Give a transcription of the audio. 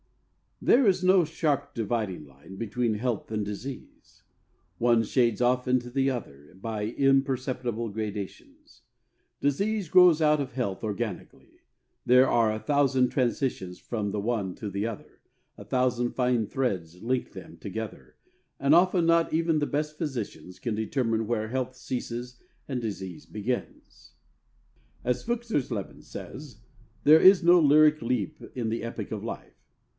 There is no sharp dividing line between health and disease. One shades off into the other by imperceptible gradations. Disease grows out of health organically. There are a thousand transitions from the one to the other; a thousand fine threads link them together, and often not even the best physicians can determine where health ceases and disease begins. As Feuchtersleben says, there is no lyric leap in the epic of life.